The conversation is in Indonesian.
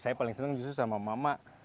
saya paling seneng justru sama mama